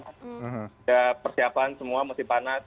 ada persiapan semua masih panas